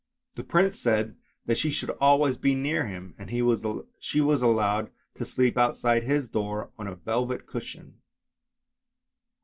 The prince said that she should always be near him, and she was allowed to sleep outside his door on a velvet cushion.